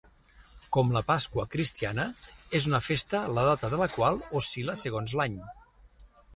Com la Pasqua cristiana, és una festa la data de la qual oscil·la segons l'any.